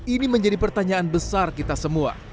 ini menjadi pertanyaan besar kita semua